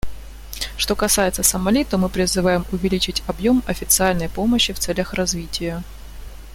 Что касается Сомали, то мы призываем увеличить объем официальной помощи в целях развития.